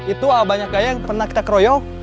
itu banyak gaya yang pernah kita keroyok